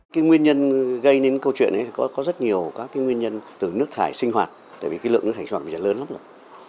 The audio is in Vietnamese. cái nguyên nhân gây nên câu chuyện này có rất nhiều các nguyên nhân từ nước thải sinh hoạt tại vì cái lượng nước thải sinh hoạt bây giờ lớn lắm rồi